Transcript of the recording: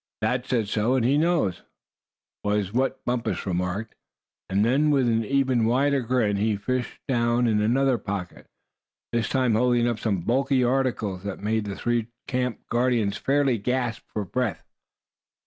"Thad says so, and he knows!" was what Bumpus remarked; and then with even a wider grin he fished down in another pocket, this time holding up some bulky articles that made the three camp guardians fairly gasp for breath.